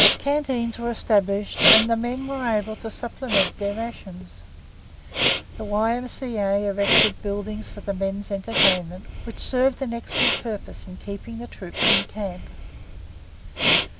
Canteens were established, and the men were able to supplement their rations. The Y.M.C.A. erected buildings for the men's entertainment, which served an excellent purpose in keeping the troops in camp.